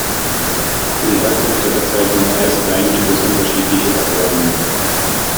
Für die Herkunft der Bezeichnung "Eisbein" gibt es unterschiedliche Erklärungen.